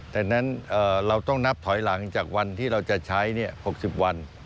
แต่นั้นเราต้องนับถอยหลังจากวันที่เราจะใช้๖๐วัน